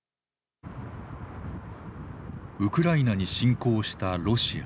ウクライナに侵攻したロシア。